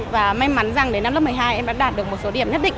và may mắn rằng đến năm lớp một mươi hai em đã đạt được một số điểm nhất định